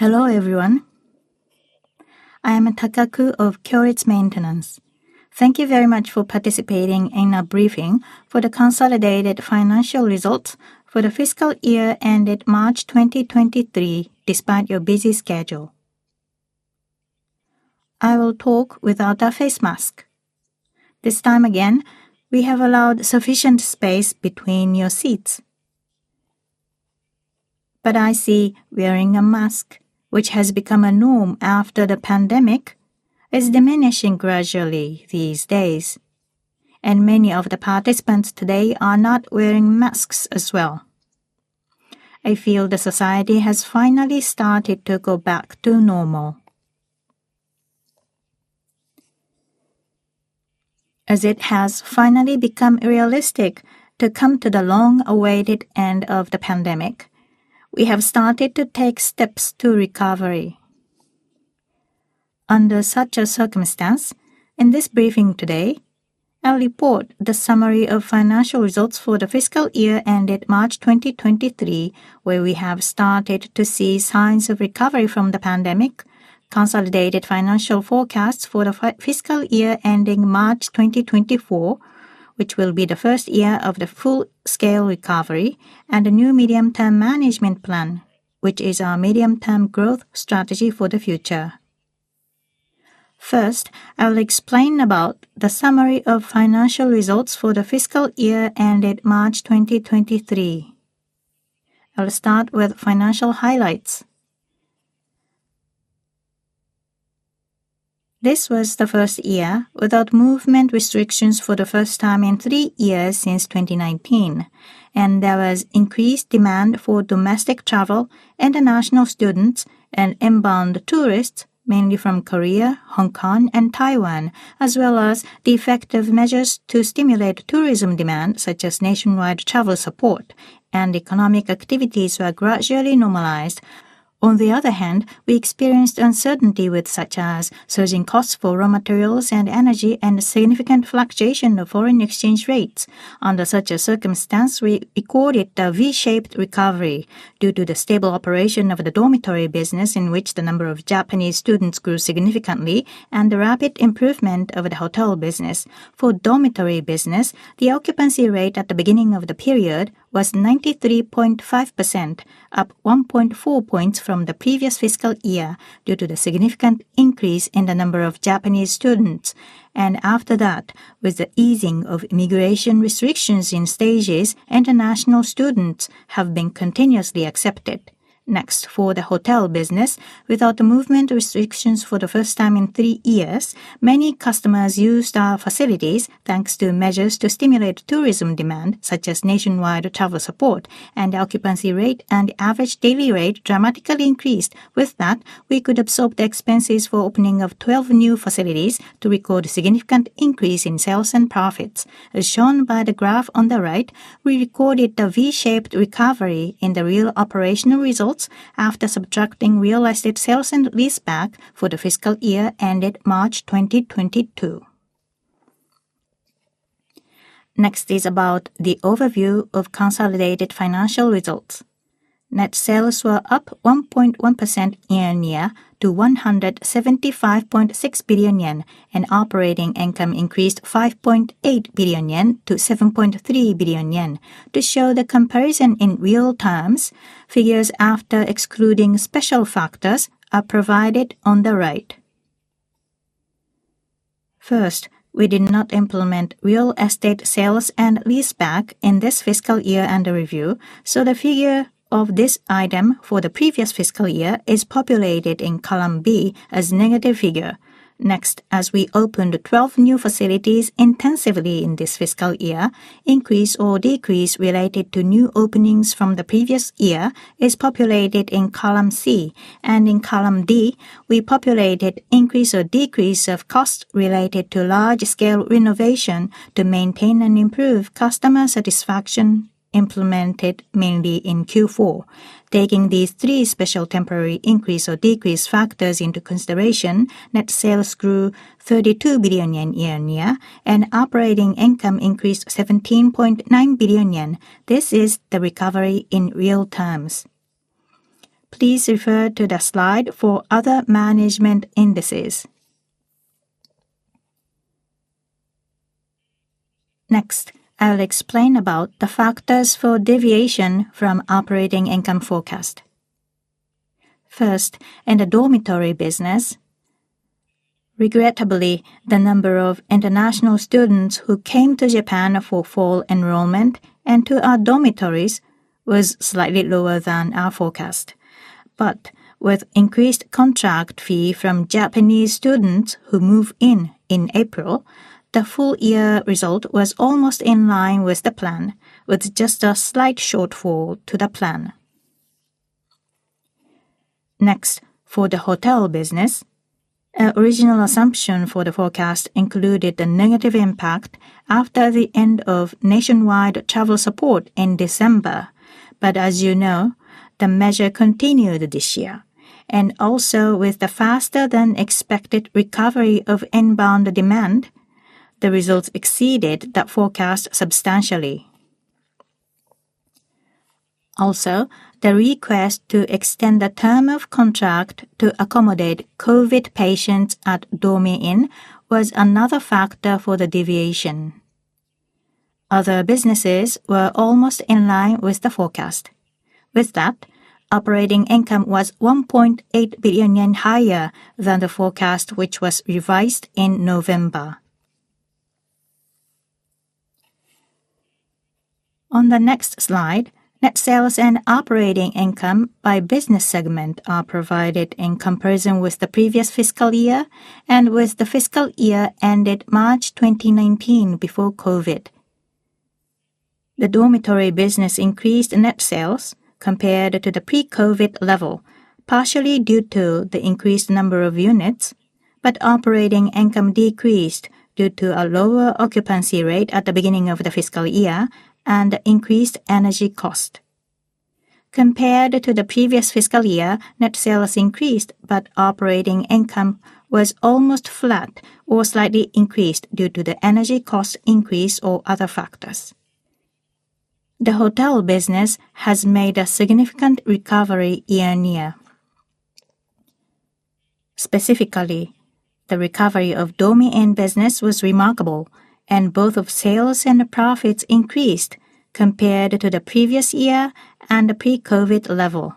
Hello, everyone. I am Takaku of Kyoritsu Maintenance. Thank you very much for participating in our briefing for the consolidated financial results for the fiscal year ended March 2023, despite your busy schedule. I will talk without a face mask. This time again, we have allowed sufficient space between your seats. I see wearing a mask, which has become a norm after the pandemic, is diminishing gradually these days, and many of the participants today are not wearing masks as well. I feel the society has finally started to go back to normal. As it has finally become realistic to come to the long-awaited end of the pandemic, we have started to take steps to recovery. Under such a circumstance, in this briefing today, I'll report the summary of financial results for the fiscal year ended March 2023, where we have started to see signs of recovery from the pandemic, consolidated financial forecasts for the fiscal year ending March 2024, which will be the first year of the full-scale recovery, and a new medium-term management plan, which is our medium-term growth strategy for the future. First, I will explain about the summary of financial results for the fiscal year ended March 2023. I'll start with financial highlights. This was the first year without movement restrictions for the first time in three years since 2019. There was increased demand for domestic travel, international students, and inbound tourists, mainly from Korea, Hong Kong, and Taiwan, as well as the effective measures to stimulate tourism demand, such as nationwide travel support, and economic activities were gradually normalized. On the other hand, we experienced uncertainty with such as surging costs for raw materials and energy and significant fluctuation of foreign exchange rates. Under such a circumstance, we recorded a V-shaped recovery due to the stable operation of the dormitory business, in which the number of Japanese students grew significantly, and the rapid improvement of the hotel business. For dormitory business, the occupancy rate at the beginning of the period was 93.5%, up 1.4 points from the previous fiscal year due to the significant increase in the number of Japanese students. After that, with the easing of immigration restrictions in stages, international students have been continuously accepted. Next, for the hotel business, without the movement restrictions for the first time in three years, many customers used our facilities, thanks to measures to stimulate tourism demand, such as nationwide travel support and occupancy rate, and the average daily rate dramatically increased. With that, we could absorb the expenses for opening of 12 new facilities to record a significant increase in sales and profits. As shown by the graph on the right, we recorded a V-shaped recovery in the real operational results after subtracting real estate sales and leaseback for the fiscal year ended March 2022. About the overview of consolidated financial results. Net sales were up 1.1% year-on-year to 175.6 billion yen, and operating income increased 5.8 billion yen to 7.3 billion yen. To show the comparison in real terms, figures after excluding special factors are provided on the right. We did not implement real estate sales and leaseback in this fiscal year under review, so the figure of this item for the previous fiscal year is populated in column B as negative figure. Next, as we opened 12 new facilities intensively in this fiscal year, increase or decrease related to new openings from the previous year is populated in column C. In column D, we populated increase or decrease of costs related to large-scale renovation to maintain and improve customer satisfaction, implemented mainly in Q4. Taking these three special temporary increase or decrease factors into consideration, net sales grew 32 billion yen year-on-year. Operating income increased 17.9 billion yen. This is the recovery in real terms. Please refer to the slide for other management indices. Next, I'll explain about the factors for deviation from operating income forecast. First, in the dormitory business, regrettably, the number of international students who came to Japan for fall enrollment and to our dormitories was slightly lower than our forecast. With increased contract fee from Japanese students who move in in April, the full year result was almost in line with the plan, with just a slight shortfall to the plan. Next, for the hotel business, our original assumption for the forecast included the negative impact after the end of nationwide travel support in December. As you know, the measure continued this year, and also with the faster-than-expected recovery of inbound demand, the results exceeded that forecast substantially. Also, the request to extend the term of contract to accommodate COVID patients at Dormy Inn was another factor for the deviation. Other businesses were almost in line with the forecast. With that, operating income was 1.8 billion yen higher than the forecast, which was revised in November. On the next slide, net sales and operating income by business segment are provided in comparison with the previous fiscal year and with the fiscal year ended March 2019 before COVID. The dormitory business increased net sales compared to the pre-COVID level, partially due to the increased number of units, but operating income decreased due to a lower occupancy rate at the beginning of the fiscal year and increased energy cost. Compared to the previous fiscal year, net sales increased, but operating income was almost flat or slightly increased due to the energy cost increase or other factors. The hotel business has made a significant recovery year-on-year. Specifically, the recovery of Dormy Inn business was remarkable, and both of sales and profits increased compared to the previous year and the pre-COVID level.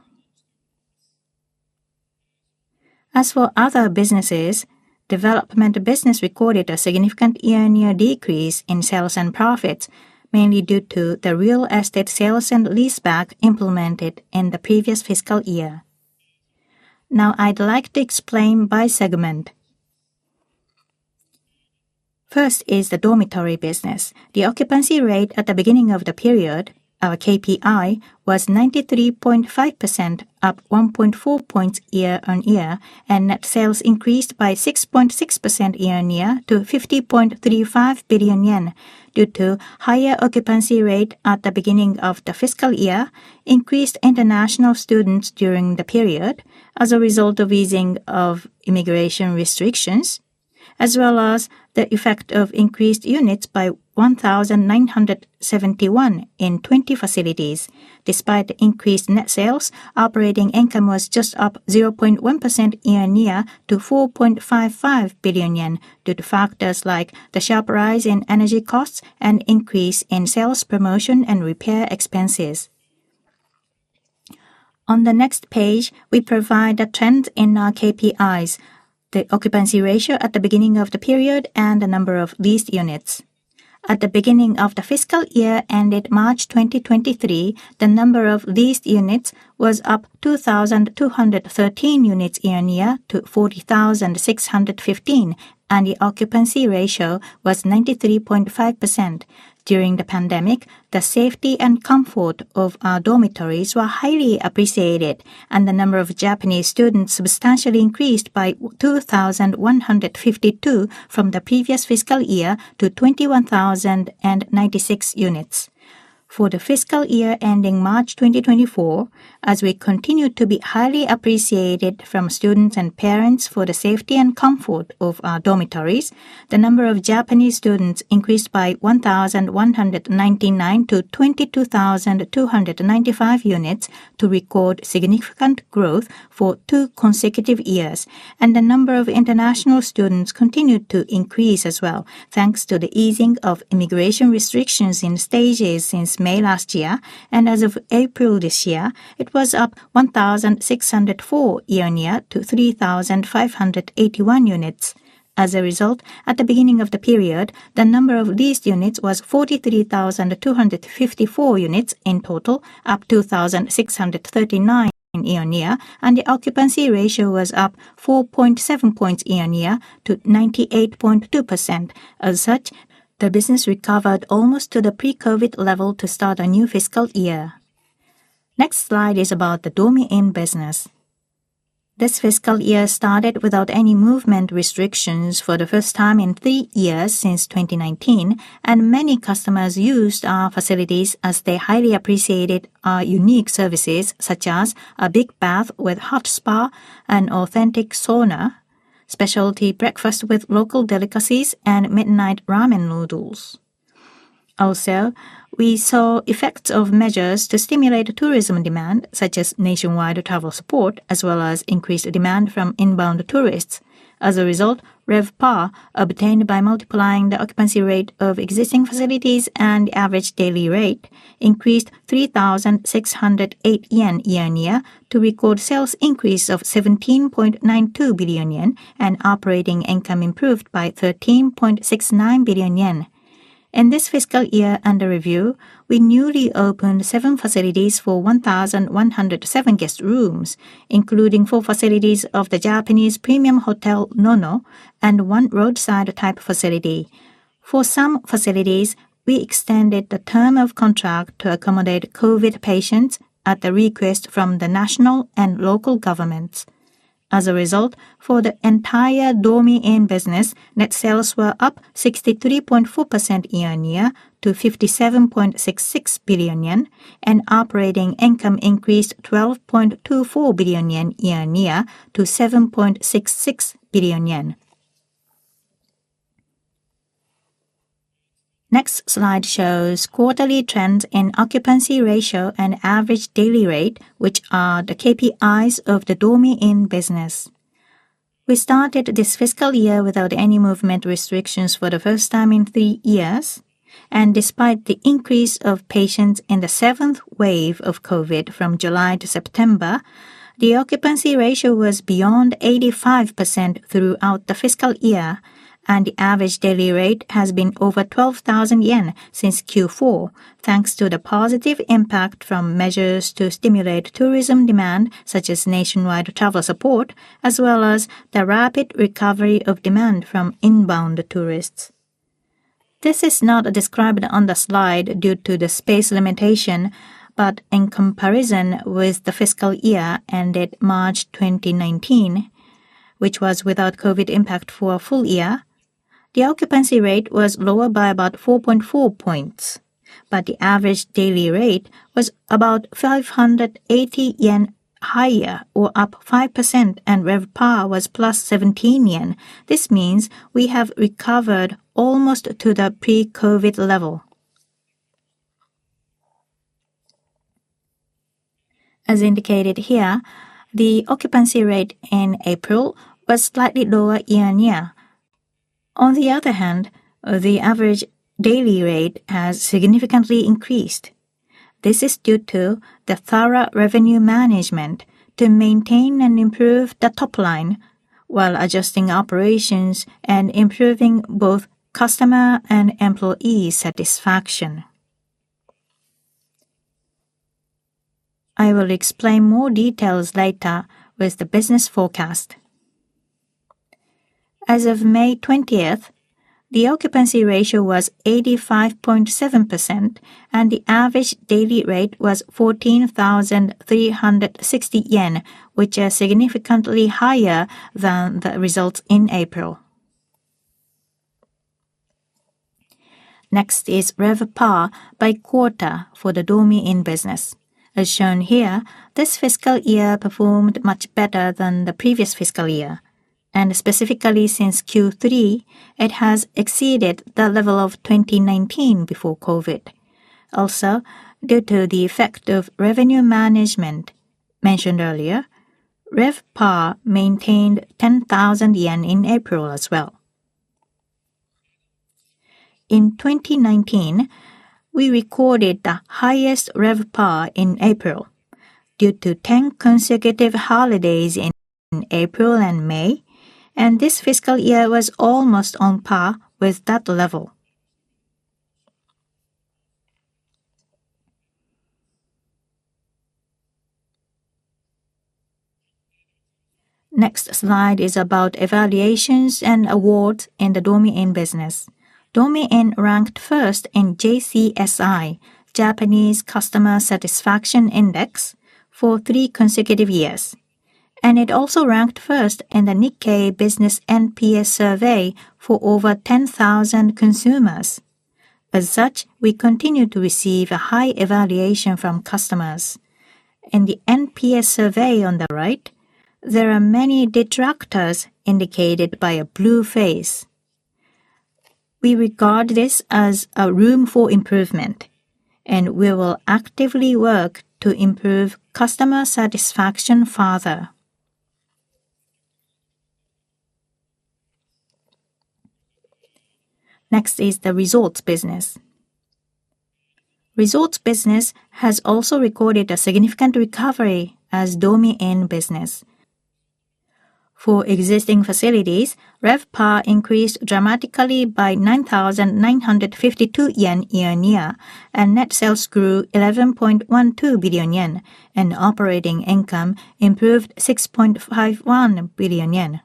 As for other businesses, development business recorded a significant year-on-year decrease in sales and profits, mainly due to the real estate sales and leaseback implemented in the previous fiscal year. I'd like to explain by segment. First is the dormitory business. The occupancy rate at the beginning of the period, our KPI, was 93.5%, up 1.4 points year-on-year, and net sales increased by 6.6% year-on-year to 50.35 billion yen due to higher occupancy rate at the beginning of the fiscal year, increased international students during the period as a result of easing of immigration restrictions, as well as the effect of increased units by 1,971 in 20 facilities. Despite the increased net sales, operating income was just up 0.1% year-on-year to 4.55 billion yen due to factors like the sharp rise in energy costs and increase in sales, promotion and repair expenses. On the next page, we provide the trends in our KPIs, the occupancy ratio at the beginning of the period and the number of leased units. At the beginning of the fiscal year ended March 2023, the number of leased units was up 2,213 units year-on-year to 40,615, and the occupancy ratio was 93.5%. During the pandemic, the safety and comfort of our dormitories were highly appreciated, and the number of Japanese students substantially increased by 2,152 from the previous fiscal year to 21,096 units. For the fiscal year ending March 2024, as we continue to be highly appreciated from students and parents for the safety and comfort of our dormitories, the number of Japanese students increased by 1,199 to 22,295 units to record significant growth for two consecutive years. The number of international students continued to increase as well, thanks to the easing of immigration restrictions in stages since May last year, and as of April this year, it was up 1,604 year-on-year to 3,581 units. As a result, at the beginning of the period, the number of leased units was 43,254 units in total, up 2,639 year-on-year, and the occupancy ratio was up 4.7 points year-on-year to 98.2%. As such, the business recovered almost to the pre-COVID level to start a new fiscal year. Next slide is about the Dormy Inn business. This fiscal year started without any movement restrictions for the first time in three years since 2019. Many customers used our facilities as they highly appreciated our unique services, such as a big bath with hot spa and authentic sauna, specialty breakfast with local delicacies, and midnight ramen noodles. We saw effects of measures to stimulate tourism demand, such as nationwide travel support, as well as increased demand from inbound tourists. As a result, RevPAR, obtained by multiplying the occupancy rate of existing facilities and Average Daily Rate, increased 3,608 yen year-on-year to record sales increase of 17.92 billion yen. Operating income improved by 13.69 billion yen. In this fiscal year under review, we newly opened seven facilities for 1,107 guest rooms, including four facilities of the Japanese premium hotel, Onyado Nono, and one roadside-type facility. For some facilities, we extended the term of contract to accommodate COVID patients at the request from the national and local governments. As a result, for the entire Dormy Inn business, net sales were up 63.4% year-on-year to 57.66 billion yen, and operating income increased 12.24 billion yen year-on-year to 7.66 billion yen. Next slide shows quarterly trends in occupancy ratio and average daily rate, which are the KPIs of the Dormy Inn business. We started this fiscal year without any movement restrictions for the first time in three years, and despite the increase of patients in the seventh wave of COVID from July to September, the occupancy ratio was beyond 85% throughout the fiscal year, and the average daily rate has been over 12,000 yen since Q4, thanks to the positive impact from measures to stimulate tourism demand, such as nationwide travel support, as well as the rapid recovery of demand from inbound tourists. This is not described on the slide due to the space limitation, but in comparison with the fiscal year ended March 2019, which was without COVID impact for a full year, the occupancy rate was lower by about 4.4 points, but the average daily rate was about 580 yen higher, or up 5%, and RevPAR was + 17 yen. This means we have recovered almost to the pre-COVID level. As indicated here, the occupancy rate in April was slightly lower year-on-year. The average daily rate has significantly increased. This is due to the thorough revenue management to maintain and improve the top line while adjusting operations and improving both customer and employee satisfaction. I will explain more details later with the business forecast. As of May 20th, the occupancy ratio was 85.7%, and the average daily rate was 14,360 yen, which are significantly higher than the results in April. RevPAR by quarter for the Dormy Inn business. As shown here, this fiscal year performed much better than the previous fiscal year, and specifically since Q3, it has exceeded the level of 2019 before COVID. Due to the effect of revenue management mentioned earlier, RevPAR maintained 10,000 yen in April as well. In 2019, we recorded the highest RevPAR in April due to 10 consecutive holidays in April and May, and this fiscal year was almost on par with that level. Next slide is about evaluations and awards in the Dormy Inn business. Dormy Inn ranked first in JCSI, Japanese Customer Satisfaction Index, for three consecutive years, and it also ranked first in the Nikkei Business NPS survey for over 10,000 consumers. As such, we continue to receive a high evaluation from customers. In the NPS survey on the right, there are many detractors indicated by a blue face. We regard this as a room for improvement, and we will actively work to improve customer satisfaction further. Next is the resorts business. Resorts business has also recorded a significant recovery as Dormy Inn business. For existing facilities, RevPAR increased dramatically by 9,952 yen year-on-year. Net sales grew 11.12 billion yen. Operating income improved 6.51 billion yen.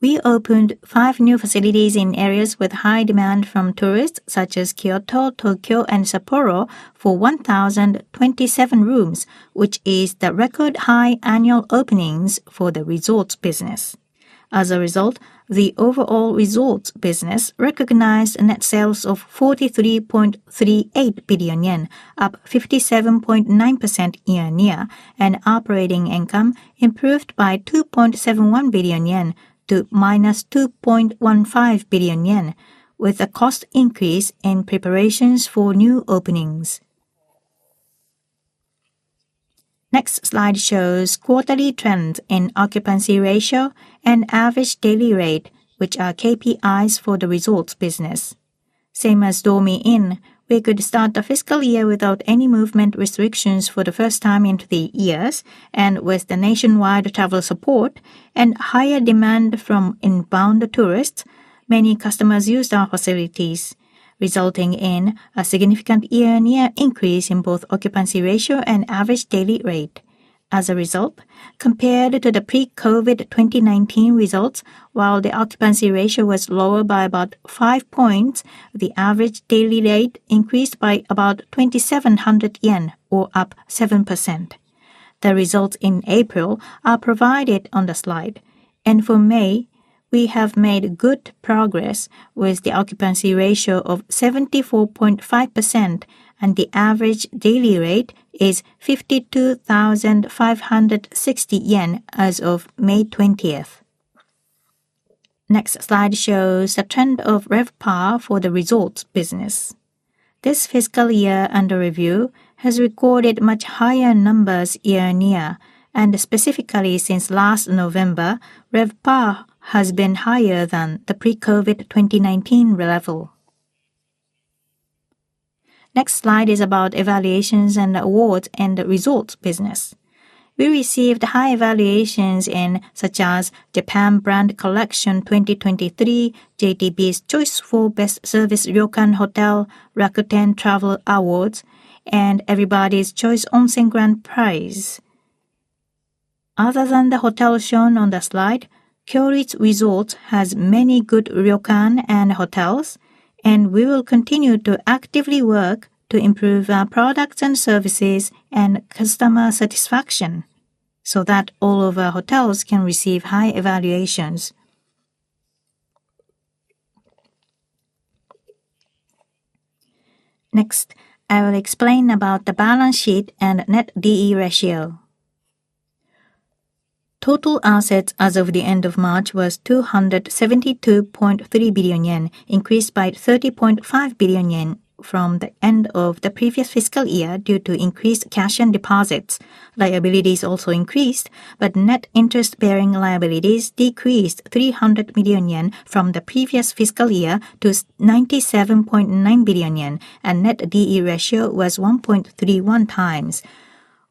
We opened five new facilities in areas with high demand from tourists, such as Kyoto, Tokyo, and Sapporo, for 1,027 rooms, which is the record high annual openings for the resorts business. As a result, the overall resorts business recognized net sales of 43.38 billion yen, up 57.9% year-on-year. Operating income improved by 2.71 billion yen to -2.15 billion yen, with a cost increase in preparations for new openings. Next slide shows quarterly trends in occupancy ratio and average daily rate, which are KPIs for the resorts business. Same as Dormy Inn, we could start the fiscal year without any movement restrictions for the first time in three years, and with the nationwide travel support and higher demand from inbound tourists, many customers used our facilities, resulting in a significant year-on-year increase in both occupancy ratio and average daily rate. As a result, compared to the pre-COVID 2019 results, while the occupancy ratio was lower by about 5 points, the average daily rate increased by about 2,700 yen, or up 7%. The results in April are provided on the slide, and for May, we have made good progress with the occupancy ratio of 74.5%, and the average daily rate is 52,560 yen as of May 20th. Next slide shows the trend of RevPAR for the resorts business. This fiscal year under review has recorded much higher numbers year-on-year. Specifically since last November, RevPAR has been higher than the pre-COVID 2019 level. Next slide is about evaluations and awards in the resorts business. We received high evaluations in such as Japan Brand Collection 2023, JTB's Choice for Best Service Ryokan Hotel, Rakuten Travel Awards, and Everybody's Choice Onsen Grand Prize. Other than the hotel shown on the slide, Kyoritsu Resort has many good ryokan and hotels. We will continue to actively work to improve our products and services and customer satisfaction so that all of our hotels can receive high evaluations. Next, I will explain about the balance sheet and Net D/E ratio. Total assets as of the end of March was 272.3 billion yen, increased by 30.5 billion yen from the end of the previous fiscal year due to increased cash and deposits. Liabilities also increased, but net interest-bearing liabilities decreased 300 million yen from the previous fiscal year to 97.9 billion yen, and Net D/E ratio was 1.31x.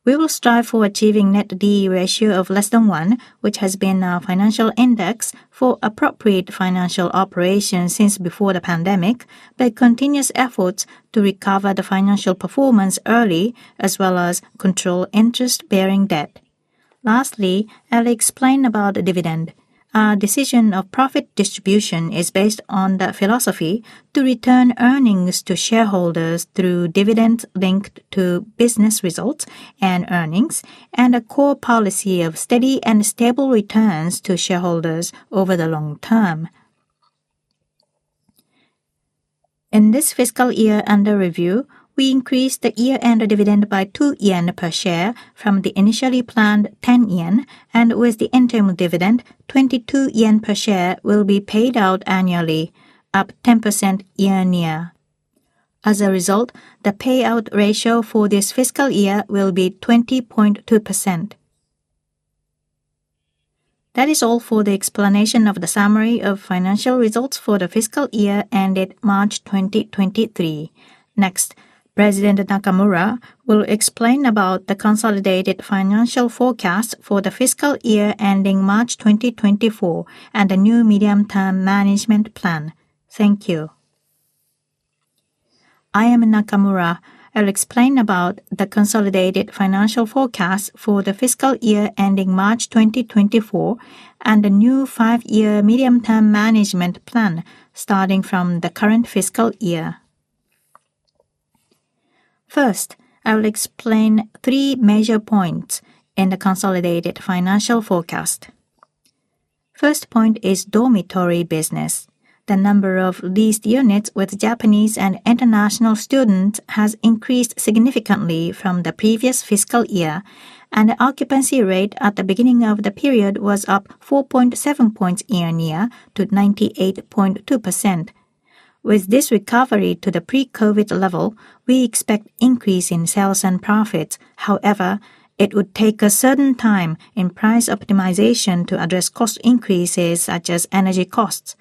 We will strive for achieving Net D/E ratio of less than 1, which has been our financial index for appropriate financial operations since before the pandemic, by continuous efforts to recover the financial performance early as well as control interest-bearing debt. I'll explain about dividend. Our decision of profit distribution is based on the philosophy to return earnings to shareholders through dividends linked to business results and earnings, and a core policy of steady and stable returns to shareholders over the long term. In this fiscal year under review, we increased the year-end dividend by 2 yen per share from the initially planned 10 yen, and with the interim dividend, 22 yen per share will be paid out annually, up 10% year-on-year. As a result, the payout ratio for this fiscal year will be 20.2%. That is all for the explanation of the summary of financial results for the fiscal year ended March 2023. Next, President Nakamura will explain about the consolidated financial forecast for the fiscal year ending March 2024, and the new medium-term management plan. Thank you. I am Nakamura. I'll explain about the consolidated financial forecast for the fiscal year ending March 2024, and the new five-year medium-term management plan starting from the current fiscal year. First, I will explain three major points in the consolidated financial forecast. First point is dormitory business. The number of leased units with Japanese and international students has increased significantly from the previous fiscal year, and the occupancy rate at the beginning of the period was up 4.7 points year-on-year to 98.2%. With this recovery to the pre-COVID level, we expect increase in sales and profits. However, it would take a certain time in price optimization to address cost increases such as energy costs.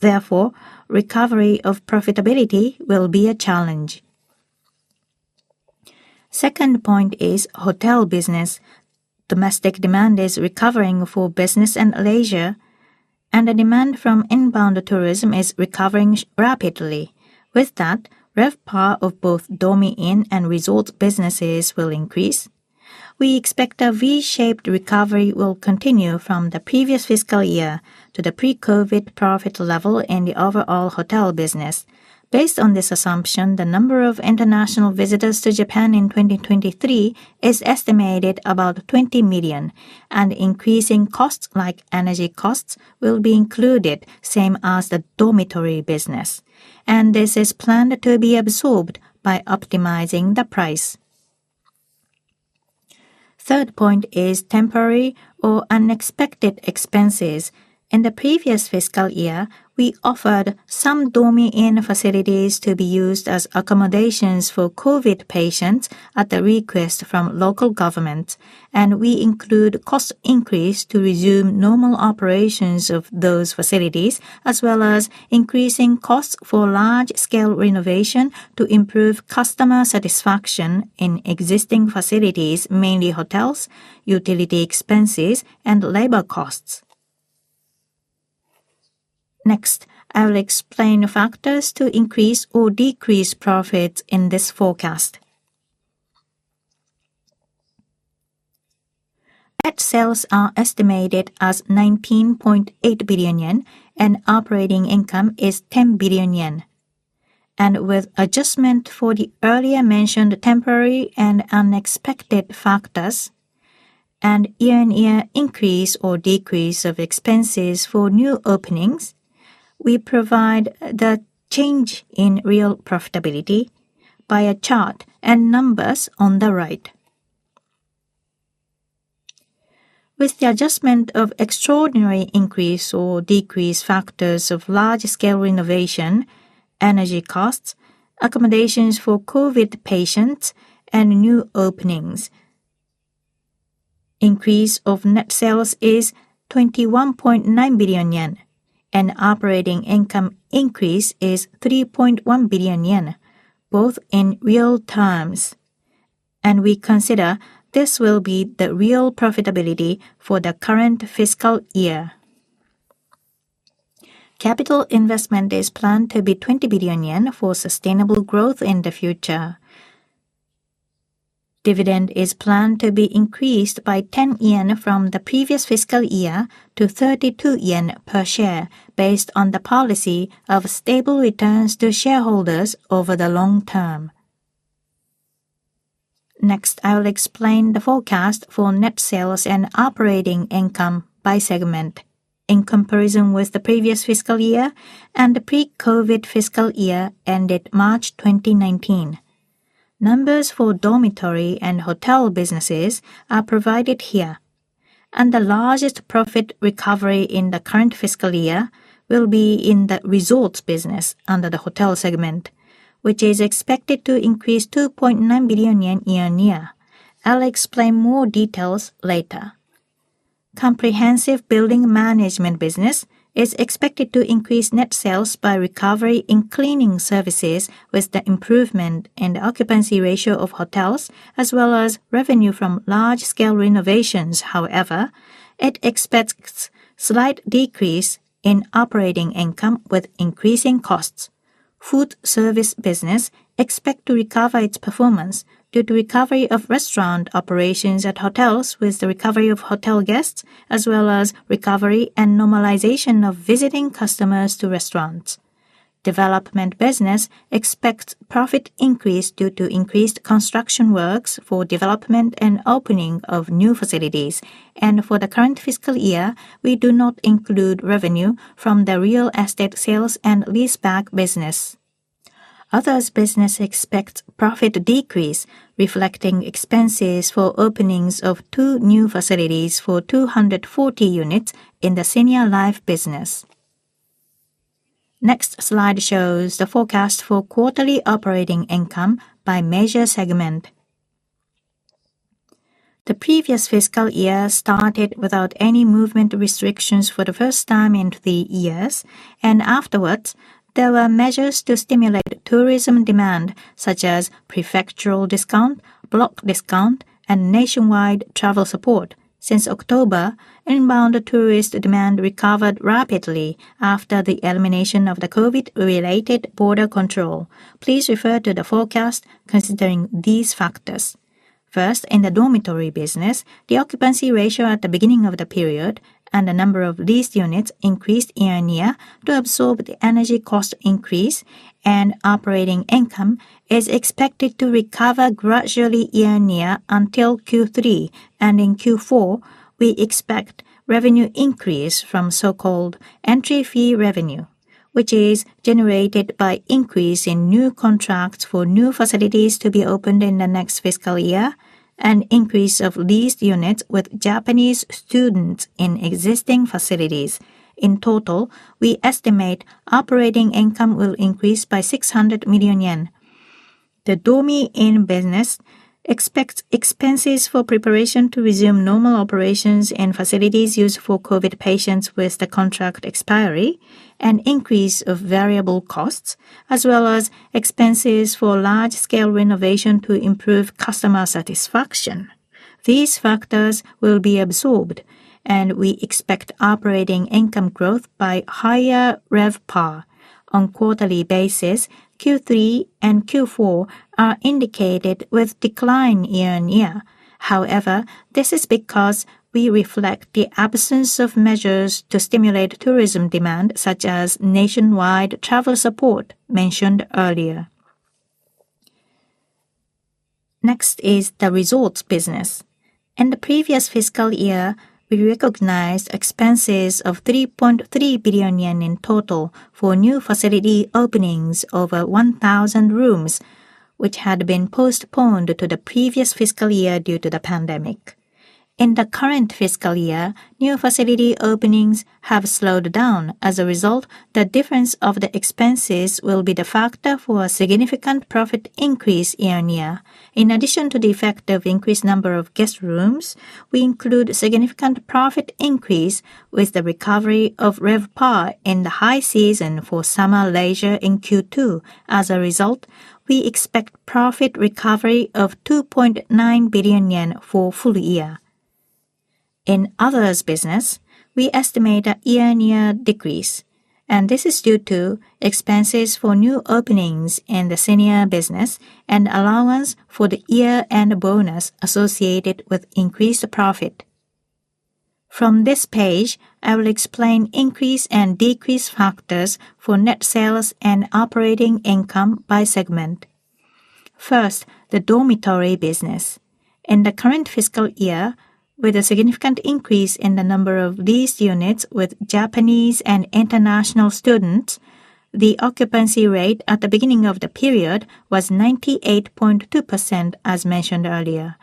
Therefore, recovery of profitability will be a challenge. Second point is hotel business. Domestic demand is recovering for business and leisure, and the demand from inbound tourism is recovering rapidly. With that, RevPAR of both Dormy Inn and Resorts businesses will increase. We expect a V-shaped recovery will continue from the previous fiscal year to the pre-COVID profit level in the overall hotel business. Based on this assumption, the number of international visitors to Japan in 2023 is estimated about 20 million, and increasing costs like energy costs will be included, same as the dormitory business, and this is planned to be absorbed by optimizing the price. Third point is temporary or unexpected expenses. In the previous fiscal year, we offered some Dormy Inn facilities to be used as accommodations for COVID patients at the request from local government, and we include cost increase to resume normal operations of those facilities, as well as increasing costs for large-scale renovation to improve customer satisfaction in existing facilities, mainly hotels, utility expenses, and labor costs. Next, I will explain the factors to increase or decrease profits in this forecast. Net sales are estimated as 19.8 billion yen, operating income is 10 billion yen. With adjustment for the earlier mentioned temporary and unexpected factors and year-over-year increase or decrease of expenses for new openings, we provide the change in real profitability by a chart and numbers on the right. With the adjustment of extraordinary increase or decrease factors of large-scale renovation, energy costs, accommodations for COVID patients, and new openings, increase of net sales is 21.9 billion yen, and operating income increase is 3.1 billion yen, both in real terms, and we consider this will be the real profitability for the current fiscal year. Capital investment is planned to be 20 billion yen for sustainable growth in the future. Dividend is planned to be increased by 10 yen from the previous fiscal year to 32 yen per share, based on the policy of stable returns to shareholders over the long term. Next, I will explain the forecast for net sales and operating income by segment in comparison with the previous fiscal year and the pre-COVID fiscal year ended March 2019. Numbers for dormitory and hotel businesses are provided here, and the largest profit recovery in the current fiscal year will be in the resorts business under the hotel segment, which is expected to increase 2.9 billion yen year-on-year. I'll explain more details later. Comprehensive building management business is expected to increase net sales by recovery in cleaning services with the improvement in the occupancy ratio of hotels, as well as revenue from large-scale renovations. However, it expects slight decrease in operating income with increasing costs. Food service business expects to recover its performance due to recovery of restaurant operations at hotels with the recovery of hotel guests, as well as recovery and normalization of visiting customers to restaurants. Development business expects profit increase due to increased construction works for development and opening of new facilities. For the current fiscal year, we do not include revenue from the real estate sales and leaseback business. Others business expects profit decrease, reflecting expenses for openings of two new facilities for 240 units in the senior life business. Next slide shows the forecast for quarterly operating income by major segment. The previous fiscal year started without any movement restrictions for the first time in three years, and afterwards, there were measures to stimulate tourism demand, such as Prefectural Discount, Block Discount, and Nationwide Travel Support. Since October, inbound tourist demand recovered rapidly after the elimination of the COVID-related border control. Please refer to the forecast considering these factors. First, in the dormitory business, the occupancy ratio at the beginning of the period and the number of leased units increased year-on-year to absorb the energy cost increase, and operating income is expected to recover gradually year-on-year until Q3. In Q4, we expect revenue increase from so-called entry fee revenue, which is generated by increase in new contracts for new facilities to be opened in the next fiscal year and increase of leased units with Japanese students in existing facilities. In total, we estimate operating income will increase by 600 million yen. The Dormy Inn business expects expenses for preparation to resume normal operations in facilities used for COVID patients with the contract expiry and increase of variable costs, as well as expenses for large-scale renovation to improve customer satisfaction. These factors will be absorbed, and we expect operating income growth by higher RevPAR. On quarterly basis, Q3 and Q4 are indicated with decline year-on-year. This is because we reflect the absence of measures to stimulate tourism demand, such as nationwide travel support mentioned earlier. Next is the resorts business. In the previous fiscal year, we recognized expenses of 3.3 billion yen in total for new facility openings over 1,000 rooms, which had been postponed to the previous fiscal year due to the pandemic. In the current fiscal year, new facility openings have slowed down. The difference of the expenses will be the factor for a significant profit increase year-on-year. In addition to the effect of increased number of guest rooms, we include significant profit increase with the recovery of RevPAR in the high season for summer leisure in Q2. We expect profit recovery of 2.9 billion yen for full year. In other business, we estimate a year-on-year decrease, and this is due to expenses for new openings in the senior business and allowance for the year-end bonus associated with increased profit. From this page, I will explain increase and decrease factors for net sales and operating income by segment. First, the dormitory business. In the current fiscal year, with a significant increase in the number of these units with Japanese and international students, the occupancy rate at the beginning of the period was 98.2%, as mentioned earlier.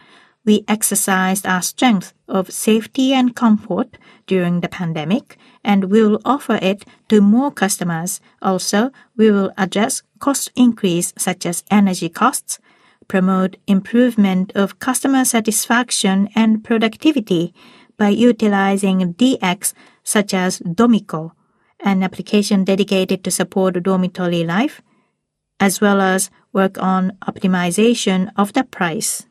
We exercised our strength of safety and comfort during the pandemic, we will offer it to more customers. Also, we will address cost increase, such as energy costs, promote improvement of customer satisfaction and productivity by utilizing DX, such as Domico, an application dedicated to support dormitory life, as well as work on optimization of the price.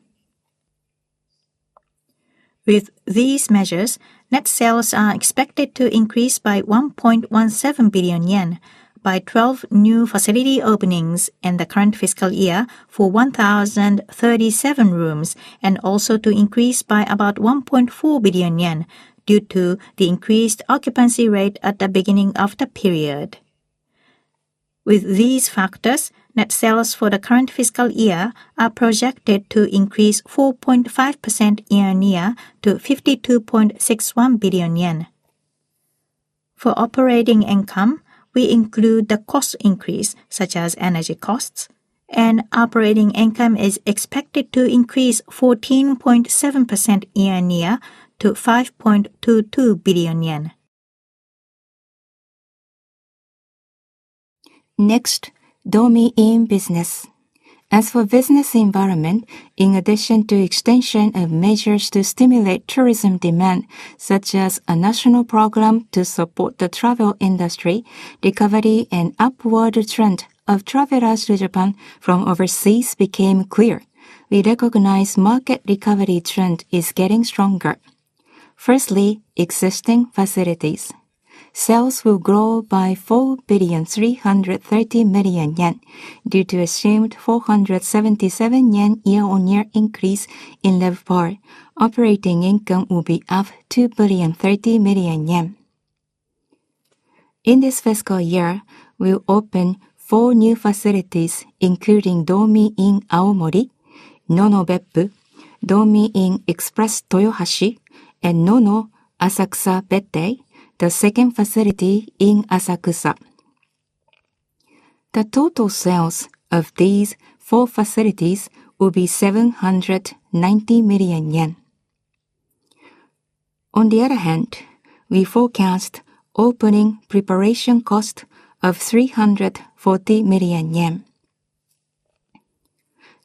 With these measures, net sales are expected to increase by 1.17 billion yen by 12 new facility openings in the current fiscal year for 1,037 rooms, and also to increase by about 1.4 billion yen due to the increased occupancy rate at the beginning of the period. With these factors, net sales for the current fiscal year are projected to increase 4.5% year-on-year to 52.61 billion yen. For operating income, we include the cost increase, such as energy costs, and operating income is expected to increase 14.7% year-on-year to JPY 5.22 billion. Next, Dormy Inn business. As for business environment, in addition to extension of measures to stimulate tourism demand, such as a national program to support the travel industry, recovery and upward trend of travelers to Japan from overseas became clear. We recognize market recovery trend is getting stronger. Firstly, existing facilities. Sales will grow by 4.33 billion due to assumed 477 yen year-on-year increase in RevPAR. Operating income will be up 2.03 billion. In this fiscal year, we'll open four new facilities, including Dormy Inn Aomori, Nono Beppu, Dormy Inn EXPRESS Toyohashi, and Nono Asakusa Bettei, the second facility in Asakusa. The total sales of these four facilities will be 790 million yen. On the other hand, we forecast opening preparation cost of 340 million yen.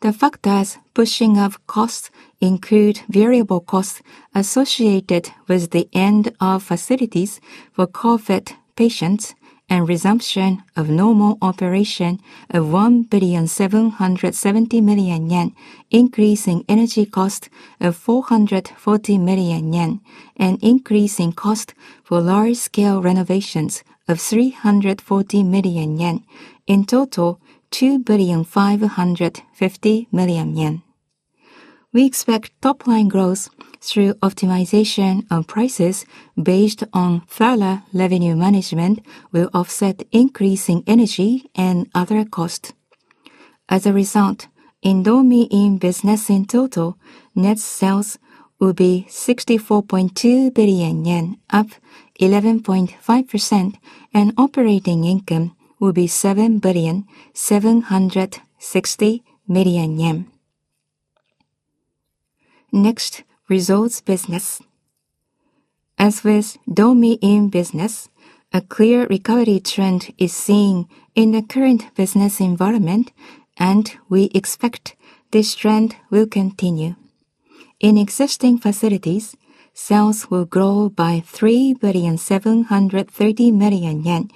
The factors pushing up costs include variable costs associated with the end of facilities for COVID patients and resumption of normal operation of 1.77 billion, increase in energy cost of 440 million yen, and increase in cost for large-scale renovations of 340 million yen. In total, 2.55 billion. We expect top-line growth through optimization of prices based on thorough revenue management will offset increasing energy and other costs. As a result, in Dormy Inn business in total, net sales will be 64.2 billion yen, up 11.5%, and operating income will be 7.76 billion. Resorts business. As with Dormy Inn business, a clear recovery trend is seen in the current business environment, and we expect this trend will continue. In existing facilities, sales will grow by 3.73 billion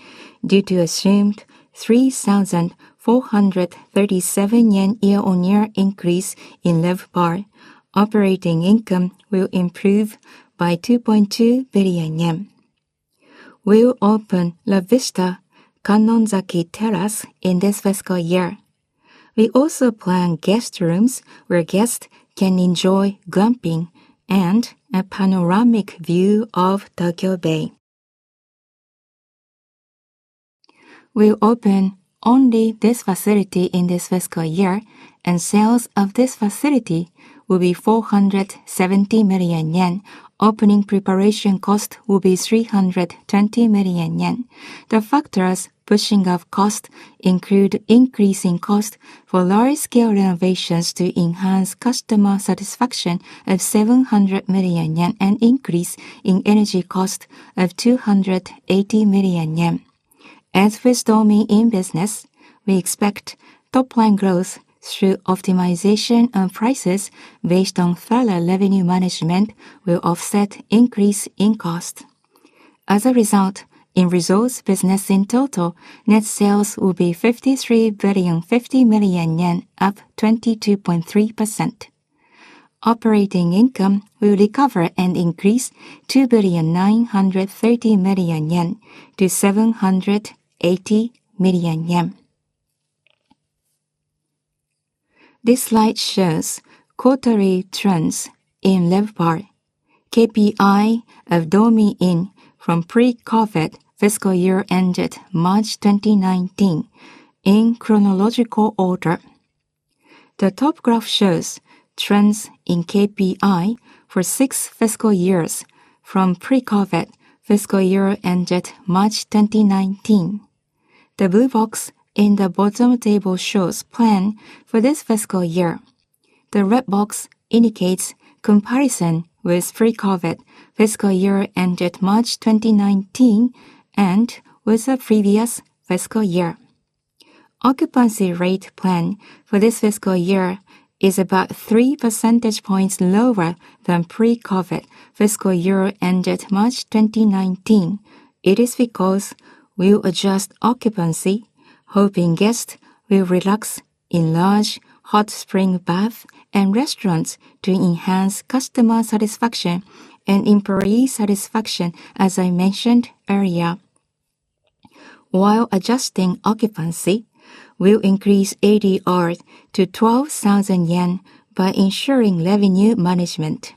due to assumed 3,437 yen year-on-year increase in RevPAR. Operating income will improve by 2.2 billion yen. We will open La Vista Kannonzaki Terrace in this fiscal year. We also plan guest rooms where guests can enjoy glamping and a panoramic view of Tokyo Bay. We'll open only this facility in this fiscal year, and sales of this facility will be 470 million yen. Opening preparation cost will be 320 million yen. The factors pushing up cost include increase in cost for large-scale renovations to enhance customer satisfaction of 700 million yen, and increase in energy cost of 280 million yen. As with Dormy Inn business, we expect top-line growth through optimization of prices based on thorough revenue management will offset increase in cost. As a result, in Resorts business in total, net sales will be 53 billion 50 million, up 22.3%. Operating income will recover and increase 2 billion 930 million to 780 million yen. This slide shows quarterly trends in RevPAR. KPI of Dormy Inn from pre-COVID fiscal year ended March 2019, in chronological order. The top graph shows trends in KPI for 6 fiscal years from pre-COVID fiscal year ended March 2019. The blue box in the bottom table shows plan for this fiscal year. The red box indicates comparison with pre-COVID fiscal year ended March 2019 and with the previous fiscal year. Occupancy rate plan for this fiscal year is about 3 percentage points lower than pre-COVID fiscal year ended March 2019. It is because we will adjust occupancy, hoping guests will relax in large hot spring bath and restaurants to enhance customer satisfaction and employee satisfaction, as I mentioned earlier. While adjusting occupancy, we'll increase ADR to 12,000 yen by ensuring revenue management.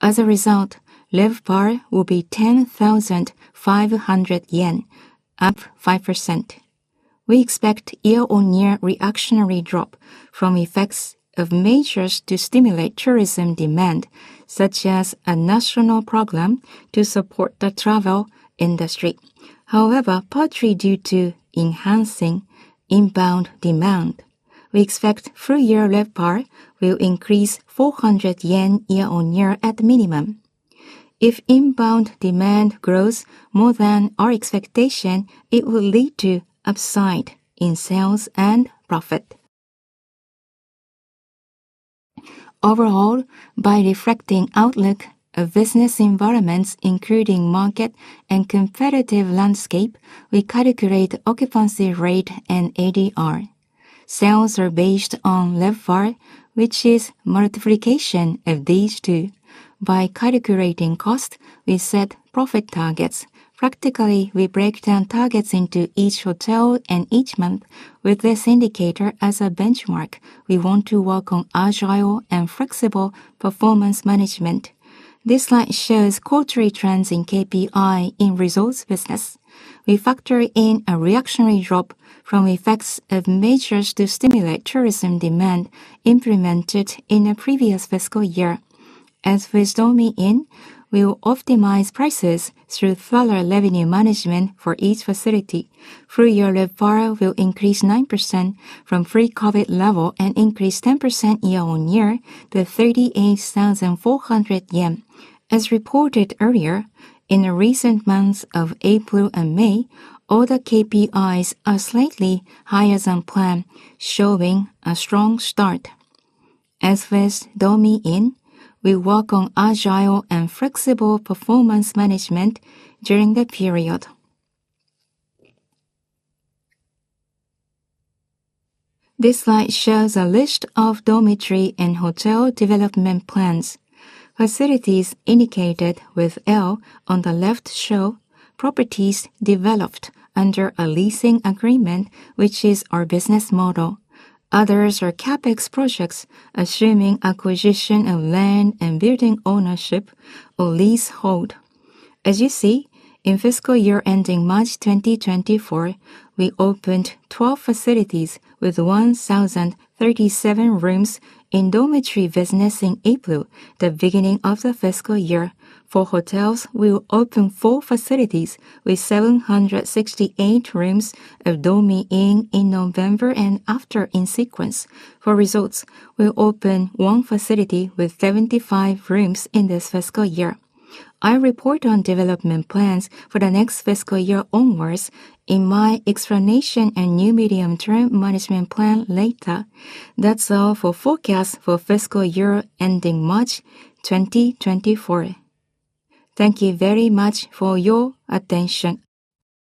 As a result, RevPAR will be 10,500 yen, up 5%. We expect year-on-year reactionary drop from effects of measures to stimulate tourism demand, such as a national program to support the travel industry. However, partly due to enhancing inbound demand, we expect full year RevPAR will increase 400 yen year-on-year at minimum. If inbound demand grows more than our expectation, it will lead to upside in sales and profit. Overall, by reflecting outlook of business environments, including market and competitive landscape, we calculate occupancy rate and ADR. Sales are based on RevPAR, which is multiplication of these two. By calculating cost, we set profit targets. Practically, we break down targets into each hotel and each month. With this indicator as a benchmark, we want to work on agile and flexible performance management. This slide shows quarterly trends in KPI in resorts business. We factor in a reactionary drop from effects of measures to stimulate tourism demand implemented in the previous fiscal year. As with Dormy Inn, we will optimize prices through thorough revenue management for each facility. Full year RevPAR will increase 9% from pre-COVID level and increase 10% year-on-year to 38,400 yen. As reported earlier, in the recent months of April and May, all the KPIs are slightly higher than planned, showing a strong start. As with Dormy Inn, we work on agile and flexible performance management during the period. This slide shows a list of dormitory and hotel development plans. Facilities indicated with L on the left show properties developed under a leasing agreement, which is our business model. Others are CapEx projects, assuming acquisition of land and building ownership or leasehold. As you see, in fiscal year ending March 2024, we opened 12 facilities with 1,037 rooms in dormitory business in April, the beginning of the fiscal year. For hotels, we will open four facilities with 768 rooms of Dormy Inn in November and after in sequence. For resorts, we'll open one facility with 75 rooms in this fiscal year. I'll report on development plans for the next fiscal year onwards in my explanation and new medium-term management plan later. That's all for forecast for fiscal year ending March 2024. Thank you very much for your attention.